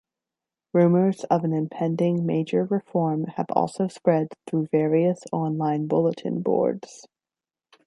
Rumours of an impending major reform have also spread through various online bulletin boards.